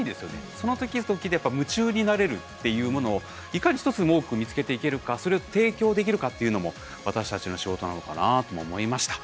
その時々でやっぱり夢中になれるっていうものをいかに一つでも多く見つけていけるかそれを提供できるかっていうのも私たちの仕事なのかなとも思いました。